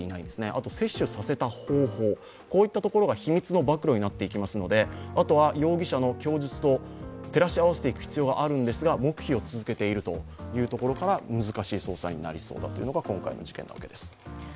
あと摂取させた方法、こういったところが秘密の暴露になっていきますのであとは容疑者の供述と照らし合わせていく必要があるんですが黙秘を続けているというところから難しい捜査になりそうだというのが今回の事件だということです。